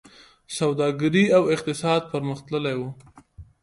سوداګري او اقتصاد پرمختللی و